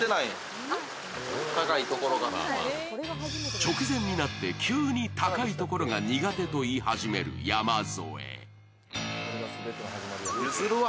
直前になって急に高いところが苦手と言い始める山添。